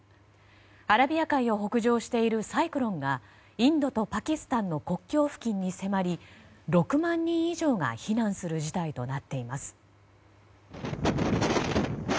アラビア海を北上しているサイクロンがインドとパキスタンの国境付近に迫り６万人以上が避難する事態となっています。